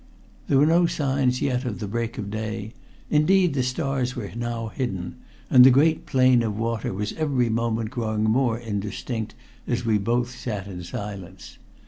There were no signs yet of the break of day. Indeed, the stars were now hidden, and the great plane of water was every moment growing more indistinct as we both sat in silence.